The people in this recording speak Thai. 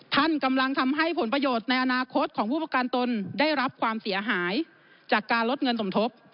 ท่านกำลังทำให้ผลประโยชน์ในอนาคตของผู้ประกันตนได้รับความเสียหายจากการลดเงินสมทบ